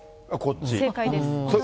正解です。